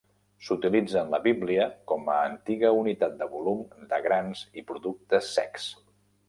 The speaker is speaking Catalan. S'utilitza en la Bíblia com a antiga unitat de volum de grans i productes secs.